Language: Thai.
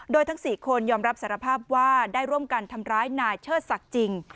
โดยทั้ง๔คนยอมรับสารภาพว่าได้ร่วมกันทำร้ายนายเชิดศักดิ์จริง